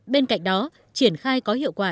bên cạnh đó triển khai có hiệu quả